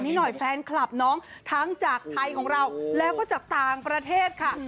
นิดหน่อยแฟนคลับน้องทั้งจากไทยของเราแล้วก็จากต่างประเทศค่ะ